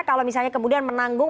kalau misalnya kemudian menanggung